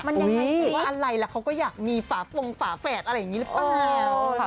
มันยังไงหรือว่าอะไรล่ะเขาก็อยากมีฝาฟงฝาแฝดอะไรอย่างนี้หรือเปล่า